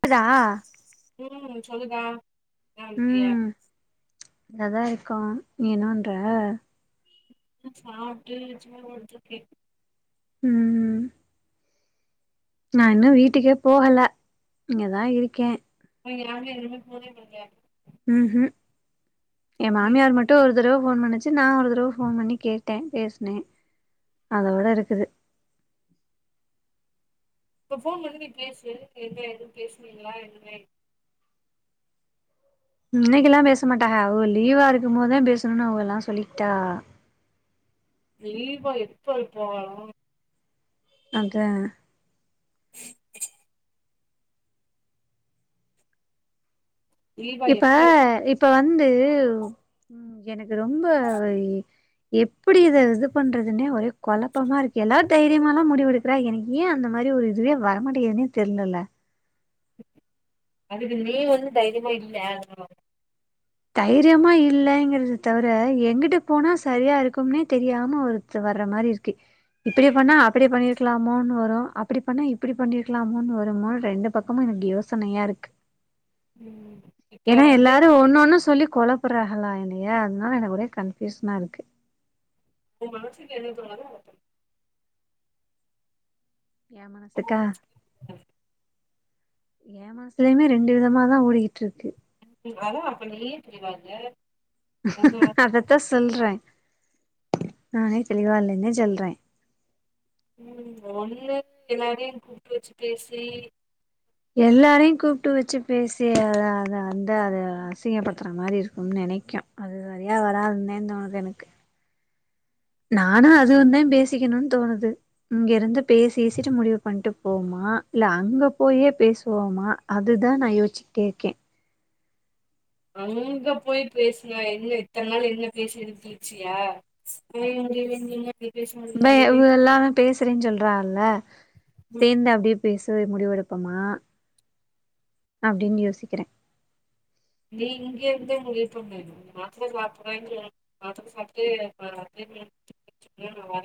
ப்புதா உம் சொல்லுங்க நன்றிய ந்ததா இர்க்கோ நீ என்னான்ற நா சாப்ட்டு சும்மா படுத்துறுக்கேன் உம் உம் நா இன்னு வீட்டுக்கே போகல இங்கெதா இருக்கே உனக்கு யாருமே என்ன மாரி ஃபோனே பண்லயா ம்ஹும் ஏ எப்டி மாமியார் மட்டு ஒ ரு தடவ ஃபோன் பண்ணுச்சு நா ஒரு தடவ ஃபோன் பண்ணி நா ஒரு தடவ ஃபோன் பண்ணி கேட்டே பேஸ்னே அதோட இருக்குது இப்ப ஃபோன் பண்ணி நீ பேசு என்ன ஏது பேசுனீங்ளா எதுமே இன்னைக்கெல்லா பேசமாட்டாஹ அவுங்க லீவாருக்கும்போதெ பேசணுனு அவெல்லா சொல்லிட்டா லீவா எப்பொ எப்போ அங்க திலீபா இப்ப எப்ப இப் ப வந்து உம் எனக்கு ரொம்ப எப்புடி இத இது பண்றதுன்னே ஒரே கொழப்பமாருக்கு எல்லார் தைரியமால்லா முடிவெடுக்குறா எனக்கு ஏ அந்த மாரி ஒரு இதுவே வரமாட்டெகிதுன்னே தெர்லல அதுக்கு நீ வந்து தைரியமா இல்ல அதுனால தைரியமா இல்லைங்கறத தவிர எங்கிட்ட போனா சரியா இருக்கும்னே தெரியாம ஒருத்து வர்ர மாரி இருக்கு இப்படி பண்ணா அப்படி பண்ணிருக்கலாமோனு வரும் அப்படி பண்ணா இப்படி பண்ணிருக்கலாமோனு வருமோனு ரெண்டு பக்கமும் எனக்கு யோசனையா இருக்கு ம் இப்ப ஏன்னா வந்து எல்லாரும் ஒண்ணு ஒண்ணு சொல்லி கொலப்புறாகளா என்னைய அதனால எனக்கு ஒரே கன்பியூசனா இருக்கு ‌உ மனசுக்கு என்ன தோணுதோ அத பண்ணு எ பண்ணு மனசுக்கா ஏ மான்சலயுமே ரெண்டு விதமாதான் ஓடிக்கிட்டு இருக்கு அதான் அப்ப நீயே தெளிவா இல்ல அதனால அதத்தான் சொல்றேன் நானே தெளிவால்ல தான் சொல்றேன் உம் ஒண்ணு எல்லாரையும் கூப்பிட்டு வச்சு பேசி எல்லாரையும் கூப்பிட்டு வச்சு பேசி அத அத அந்த அதை அசிங்கப்படுத்துற மாதிரி இருக்கும்னு நினைக்கும் அது சரியா வராதுந்தே தோணுது எனக்கு நானா அது வந்தான் பேசிக்கணும்னு தோணுது இங்க இருந்து பேசி வசிட்டு முடிவு பண்ணிட்டு போவமா இல்ல அங்க போயே பேசுவோமா அதுதான் நான் யோச்சுக்டே இக்கேன் அங்க போய் பேசினா என்ன இத்தன் நாள் என்ன பேசி கிழ்ச்சியா [unintelligible] மே இவு எல்லாமே பேசுறேன் சொல்றாகல்ல சேந்து அப்டியே பேசவே முடிவெடுப்பமா அப்டின்னு யோசிக்கிற நீ இங்யே இருந்து உங்க ஹெல்ப்பண்ணாத மாத்ர சாப்பறங்கற மாத்ர சாப்பிட்டு [inaudible] நான் வர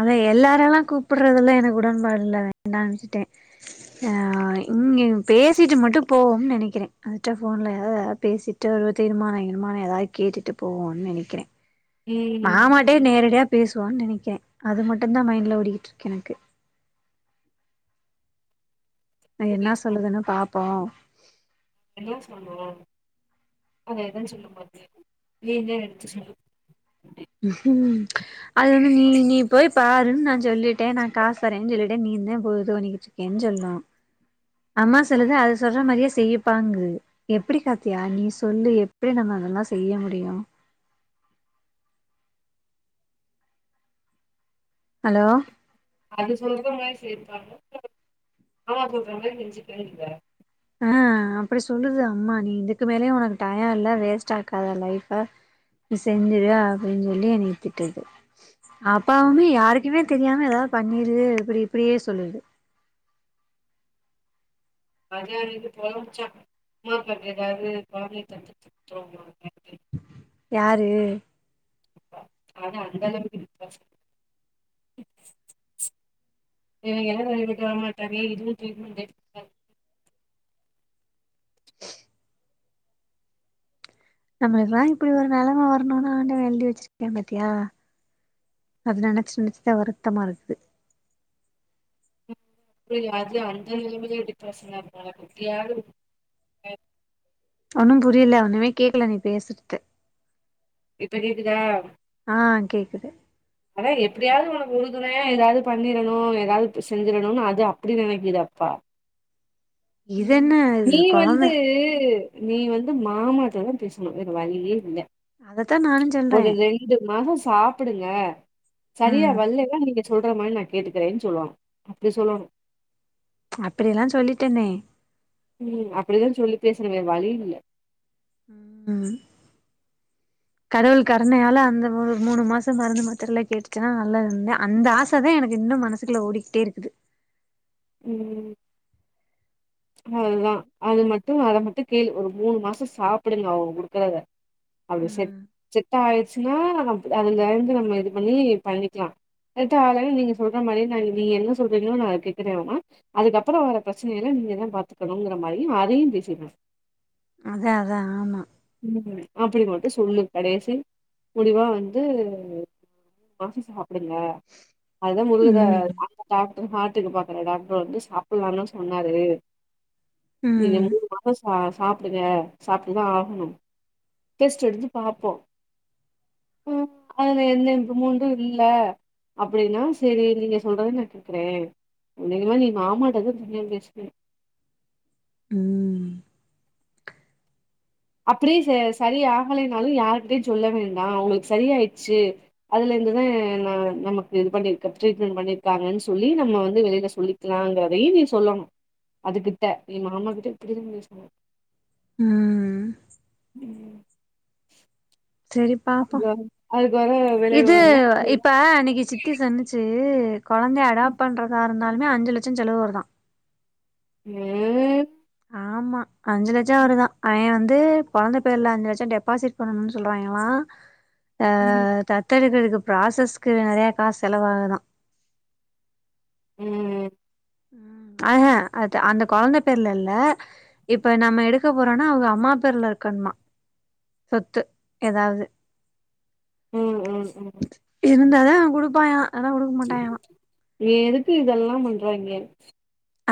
அத எல்லார எல்லா கூப்பிடுறதெல்லா எனக் உடன்பாடுல்லா வேண்டா விட்டுட்ட ஆ இங்க பேசிட்டு மட்டு போவோம்னு நெனைக்கிற அதுட்ட ஃபோன்ல ஏதாதது பேசிட்டு ஒரு தீர்மானோ கீர்மானோ ஏதாவது கேட்டுட்டு போவோம்னு நெனைக்கிற ம் மாமாட்டேயே ம், நேரடியா பேசு லான் நெனைக்க அது மட்டு தா மைண்ட்ல ஓடிக்கிட்டு இருக்கு எனக்கு என்னா சொல்லுதுன்னு பாப் பா என்னா சொல்னு அத எதா சொல்லும்போது வீகர் எடுத்து சொல்லு உஹும் அது வந்து நீ நீ போய் பாருன் நான் ஜொல்லிட்டே நா காஸ் தறேன் ஜொல்லிட்டே நீ தா போ தோணிக்கிட்ருக்கேன் ஜொல்லு அம்மா சொல்லுது அது சொல்ற மாரியே செய்யப்பாங்கு எப்படி காத்தியா நீ சொல்லு எப்படி நம் அதெல்லா செய்ய முடியு அலோ அது சொல்ற மாரி சேர்த்தாங்க ஆமா சொல்ற மாதிரி செஞ்சுக்கேன் இல்ல ஆ அப்படி சொல்லுது அம்மா நீ இதுக்கு மேலயே உனக்கு டயோ இல்ல வேஸ்ட் ஆக்காத லைஃப்ஃப நீ செஞ்சிரு அப்டின் சொல்லி என்னைய திட்டுது அப்பாவுமே யாருக்குமே தெரியாம எதாவ் பண்ணிரு ப்பெறிய் இப்படியே சொல்லுது பஜாரின்னு புலம்பச்சா அம்மா பட்ர வேது கொழந்தைய தத்து திட்ரோமா ந து யாரு ஆன அந்த அளவுக்கிப்பா [inaudible] நம்மளுக்குல்லா இப்படி ஒரு நெலம வர்ணுனு ஆண்டவ எழ்தி வச்சிர்க்யா பாத்தியா அது நெனச் நெனச்சுதா வருத்தமா இருக்குது [unintelligible] அந்த நெலமையிலே டிப்ரஷனா இருக்காளா குத்தியாலு அ ஒன்னு புரில ஒண்ணுமே கேக்கல நீ பேசுர்த்து இப்ப கேக்குதா ஆ கேக்குது ஆனா எப்டியாவ்து உனக்கு உறுதுணையா ஏதாவ்து பண்ணிரணு ஏதாவ் இப்ப செஞ்சிரனு அது அப்டி நெனைக்கிது அப்பா இது ம் என்ன இது நீ கொழந்த வந்து நீ வந்து மாமாட்ட தா பேஸ்ணு வேற் வழியே இல்ல அதத்தா நானு சொல்றே ஒரு ரெண்டு மாசொஸ் சாப்பிடுங்க சரியா ம் வல்லவ நீங்க சொல்ற மாரி நா கேட்டுக்குறேன் சொல்வனு அப்டி சொல்லனு அப்படியெல்லா சொல்லிட்டனே ம் அப்படிதா சொல்லி பேஸ்னவே வழி இல்ல ம் கடவுள் கருணையால அந்த ஒரு மூணு மாசோ மருந்து மாத்துர்ல்லா கேட்டுச்சா நல்லா இருந்தேன் அந்த ஆசதா எனக்கு இன்னு மனசுக்குள்ள ஓடிக்ட்டே இருக்குது ம் அதுதா அது மட்டு அத மட்டு கேளு ஒரு மூணு மாசோ சாப்புடுங்க அவ் குடுக்கறத அப்டி செட் ம் செட்டா ஆய்ர்ச்சுன்னா அதுக அதுங்க ஆய்ர்ந்து நம்ம இது பண்ணி பண்ணிக்லா செட் ஆகள நீங்க சொல்ற மாரி நா நீ என்ன சொல்றீங்ளோ நா அது கேக்குறேனாமா அதுக்கப்பறோ வர ப்ரச்சனயெல்லா நீங் எதையாவ் பாத்துக்கணுங்றமாரி அதையு பேசிரே அதா அதா ஆமா உம் அப்படி மட்டு சொல்லு கடைசி முடிவா வந்து [unintelligible] [unintelligible] அதுதா [unintelligible] ம் ஹார்டுக்கு பாக்குற டாக்டர் வந்து சாப்புல்லான் தா சொன்னாரு ம் [unintelligible] சாப்புடுங்க சாப்ட்டுதா ஆகணும் டெஸ்ட் எடுத்து பாப்போ ஆ அதுல எந்த இம்ப்ருமன்டு இல்ல அப்புடின்னா சேரி நீங்க சொல்றத நா கேக்குறே அனேகமா நீ மாமாட்ட தா [unintelligible] பேசிக்கிற ம் அப்படியே ச சரி ஆகலைனாலும் யாருகிட்டயும் சொல்ல வேண்டாம் அவங்களுக்கு சரிய ஆயிட்ச்சு அதுல இருந்துதா ந நமக்கு இது பண்ணிருக்க ட்ரீட்மெண்ட் பண்ணிருக்காங்கன் சொல்லி நம்ம வந்து வெளியில சொல்லிக்குலாங்கிறதையும் நீ சொல்லணும் அதுகிட்ட என் மாமா கிட்ட இப்புடிதா நீ சொல்லனும் ம் ம் சேரி பாப்போ இது விளைவுகள்லா இப்ப அன்னைக்கி சித்தி சன்னுச்சு கொழந்தைய அடாப் பண்றதா இருந்தாலுமே அஞ்சு லட்சோ செலவு வருதா ஏன் ஆமா அஞ்சு லட்சோ வருதா அவே வந் ந்து கொழந்த பேர்ல அஞ்சு லட்சம் டெப்பாசிட் பண்ணும்னு சொல்றாங்கேளா அ ம் தத்தெடுதுக்குறதுக்குப் ப்ராசஸ்க்கு நறைய காசு செலவாகுதா ம் அஹ அத அந்த கொழந்த பேர்ல இல்ல இப்ப நம்ம எடுக்க போறோம்னா அவ்ங்க அம்மா பேர்ல இருக்கணுமா சொத்து ஏதாவ்து ம் ம் ம் தாதா குடுப்பாய்ங்ளா நீ எதுக்கு இதெல்லாம் பண்றாய்ங்க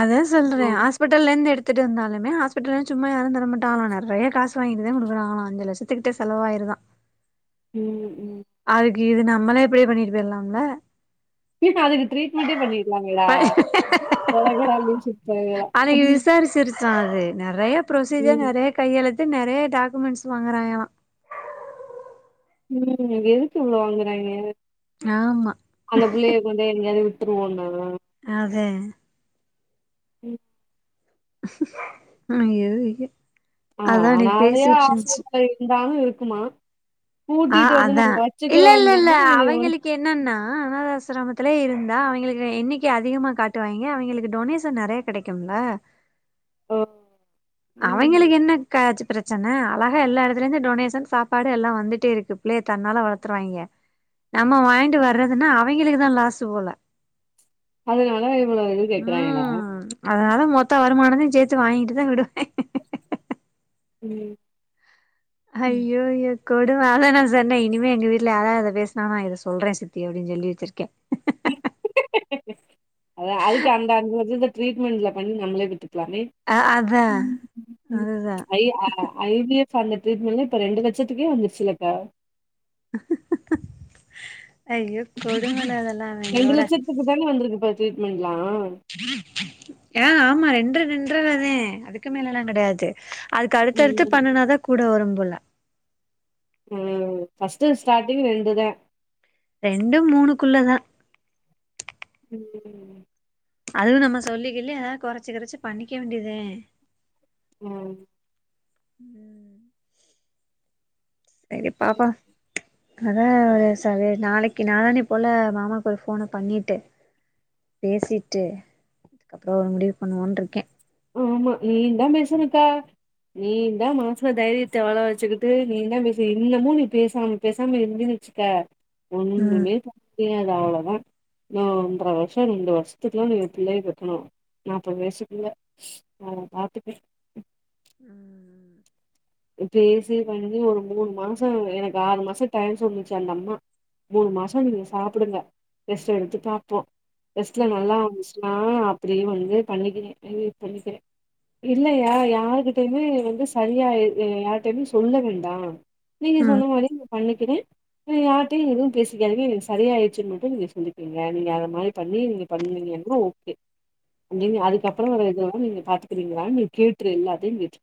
அதே சொல்ற ம் ஆஸ்ப்பிடல்லேந்து எடுத் துட்டு வந்தாலுமே ஆஸ்ப்பிடல்லா சும்மா யாரு தர மாட்டாங்களா நறையா காசு வாங்கிட்டுதே குடுக்குறாய்ங்களா அஞ்சு லட்சத்துக்கிட்ட செலவாயிருதா ம் ம். அதுக் கு இது நம்மளே இப்டியே பண்ணிட்டு போயிறலாம்லா [unintelligible] அதுக்கு ட்ரீட்மெண்டே பண்ணிறிக்கலாங்களா தொலைங்கடா [unintelligible] சா அது நறைய ப்ரொசீஜர் நறைய கையெழுத் து நறைய டாக்குமெண்ட்ஸ் வாங்குறாய்ங்களா ம் எதுக்கு இவ்ளோ வாங்குறாய்ங்க ஆமா அந்த புள்ளைய கொண்டு போய் எங்கயாவ்து விட் [unintelligible] அதே உம் அய்யோ அய்யோ ஆஹ் ஆனாதயா ஆசிரத்துல இருந்தாலு இரு க்குமா ஆஹ் அதா இல்லல்ல சொன்னா நீங்க இவ்வளவு- அவங்களுக்கு என்னன்னா அனாத ஆசிரமத்துல இருந் தா அவிங்களுக்கு எண்ணிக்கை அதிகமா காட்டுவாய்ங்க அவிங்களுக்கு டொனேஷன் நெறயா கெடைக்குமெல்ல ஓ ம். அவிங்களுகென்னாச்சு பிரச்சன அழகா எல்லா எடத்துலருந்து டொனேஷன் சாப்பாடு எல்லா வந்துட்டே இருக்கு பிள்ளைய தன்னால வளத்துருவாய்ங்க நம்ம வாங்கிட்டு வர்றதுன்னா அவங்களுக்குதா லாசு போல அதனால இவ்ளவு இது கேக்குறாங்கிளா ம் அதனால மொத்த வருமானமே சேத்து வாங்கிட்டுதா விடு உம் ஹய்யோ யோ கொடுவால நா சொன்னே இனிமே எங்க வீட்ல யாராவது பேசினா நா இத சொல்ற சித்தி அப்படின்னு சொல்லி வெச்சிருக்க அத அதுக்கு அந்த அங்க வெச்சுட்டு டரீட்மண்ட்ல பண்ணி நம்ளே பெத் துக்கலாமே அ அதா அதுதா ப்ச் ஐ ஐ வி எஃப் சொ அந்த ட்ரீட்மெண்ட் எல்லா இப்போ ரெண்டு லட்சத்துக்கே வந்துருச்சில்ல இப்ப ஐயோ கொடுமடா அதெல்லா இவங்களோட ட்ரீட்மென்ட்லா ஆ ஆமா ரெண்ர ரெண் ரெண்ரதானே அதுக்கு மேலெல்லா கெடையாது அதுக்கு அடுத்தடுத்து ம் பண்ணுனாதா கூட வரும் ம்போல ஹ்ம் ஃபர்ஸ்ட்டு ஸ்டார்ட்டிங் ரெண்டுதா ரெண்டு மூணுக்குள்ளதா உம் அதுவு நம்ம சொல்லிகில்லி எதாவது கொறச்சு கிறச்சு பண்ணிக்க வேண்டியதுதே உம் உம் செரி பாப்பா அதா ஒரு ச நாளைக்கு நாளான்னே போல மாமாவுக்கு ஒரு ஃபோனப் பண்ணிட்டு பேசிட்டு அதுக்கப்புறோ ஒரு முடிவு பண்ணுவோன்ட்டு இருக்க ஆமா நீயுந்தா பேசுனக்கா நீ தா மனசுல தைரியத்த வர வழச்சுக்கிட்டு நீயுந்தா பேசி இன்னமும் நீ பேசாமப் பேசாம இருந்தனு வெச்சுக்க ம் ஒன்னுமே [unintelligible] து அவ்ளோதா நா ஒன்றர வருஷோ ரெண்டு வருஷத்துக்குல்ல நீ பிள்ளய பெக்கணு நாப்பது வயசுக்குள்ள ஸ் அத பாத்துக்க ம் பேசி பண்ணி ஒரு மூணு மாசோ எனக்கு ஆறு மாசோ டைம் சொன்னுச்சு அந்த அம்மா மூணு மாசோ நீங்க சாப்டுங்க டெஸ்ட் எடுத்து பாப்போம் டெஸ்ட்ல ம் நல்லா வந்துச் நான் அப்பிடியும் வந்து பண்ணிக்கிறேன் [unintelligible] பண்ணிக்கிறேன் இல்லையா யாருகிட்டயுமே வந்து சரியா எ ஆ யார்கிட்டையும் சொல்ல வேண்டாம் நீங்க ம் சொன்ன மாரிங் பண்ணிக்கிறேன் நீங்க யார்கிட்டயும் எதுவும் பேசிக்காதீங்க எனக்கு சரியா ஆயிடுச்சுனு மட்டும் நீங்க சொல்லிக்கிங்க நீங்க அத மாரி பண்ணி நீங்க பண்ணீங்கிறம் ஓகே [unintelligible] அதுக்கப்புறம் வர இது வந்து நீங்க பார்த்துக்கிறீங்களான்னு நீங்க கேட்ரு எல்லாத்தையும் கேட்ரு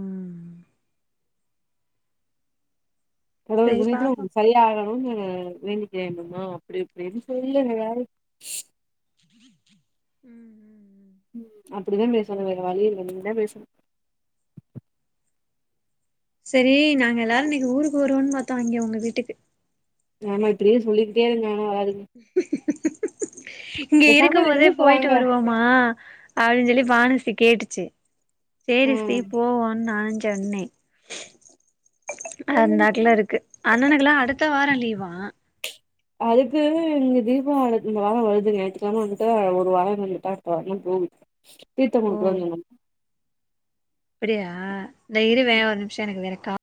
ம் கடவுள் சரி புண்ணியத்துல பாப்போ உங்களுக் சரியகணும்னு வேண்டிக் ஏணும்மா அப்பிடி இப்பிடின்னு சொல்லு ஏதாவது [inaudible] ம் ம் ம் ம் அப்படித்தான் பேசணும் வேற வழி இல்ல நீங்க தான் பேசணும் சரி நாங்க எல்லாரும் இன்னக்கு ஊருக்கு வருவோன்னு பாத்தோம் அங்கே உங்க வீட்டுக்கு ஆமா இப்பிடியே சொல்லிக்கிட்டே இருங்க ஆனா வராதீங்க [inaudible] இங்க இருக்கும் போதே இதுக்கு போயிட்டு வாங்க வருவோமா அப்டின்னு சொல்லி பானுசி கேட்டுச் சு சேரி சி ம் போவோனு நான் சொன்ன அந் நாட்டுல இருக்கு அண்ணனுக்குெல்லாம் அடுத்த வாரம் லீவாம் அதுக்கு இங்க தீபோ இந்த வாரம் வருது ஞாயத்துக்கெழம வந்துட்டு ஒரு வாரம் வந்துட்டா வரணுன்னு தோணு தீர்த்தங் குடுக்கிறது [unintelligible] அப்படியா இத இரு வே ஒருிமிஷம் எனக்கு வர த